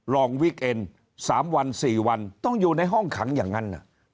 ลองวิเคนสามวันสี่วันต้องอยู่ในห้องขังอย่างนั้น